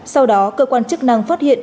sau đó cơ quan chức năng phát hiện